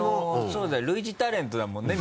そうだよ類似タレントだもんね。